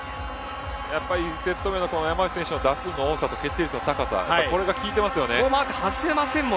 １セット目の山内選手の打数の多さと決定率の高さが効いていますね。